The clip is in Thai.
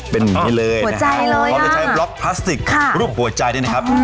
เป็นอะไรเลยอ้าวพกับจะใช้ค่ะรูปหัวใจเนี้ยนะครับ